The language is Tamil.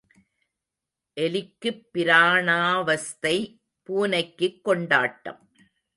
எலிக்குப் பிராணாவஸ்தை பூனைக்குக் கொண்டாட்டம்.